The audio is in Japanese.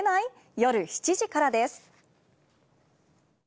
夜７時からです。